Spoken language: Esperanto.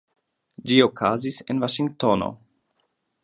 Ĝi okazis en Vaŝingtono.